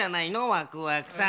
ワクワクさん。